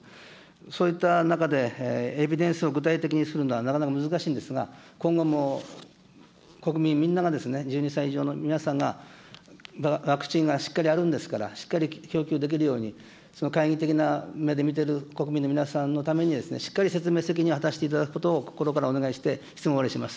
そういった中で、エビデンスを具体的にするのはなかなか難しいんですが、今後も国民みんなが、１２歳以上の皆さんがワクチンがしっかりあるんですから、しっかり供給できるように、その懐疑的な目で見てる国民の皆さんのために、しっかり説明責任を果たしていただくことを心からお願いして、質問を終わりにします。